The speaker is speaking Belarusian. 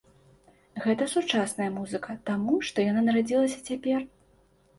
Гэта сучасная музыка, таму што яна нарадзілася цяпер.